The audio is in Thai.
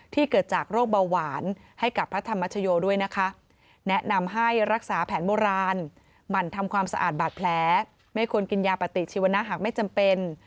เกิดจากโรคเบาหวานให้กับพระธรรมชโยด้วยนะคะแนะนำให้รักษาแผนโบราณหมั่นทำความสะอาดบาดแผลไม่ควรกินยาปฏิชีวนะหากไม่จำเป็น